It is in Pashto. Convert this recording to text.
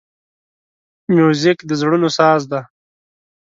موزیک د زړونو ساز دی.